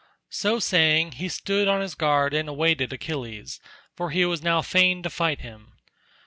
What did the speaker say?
So saying he stood on his guard and awaited Achilles, for he was now fain to fight him.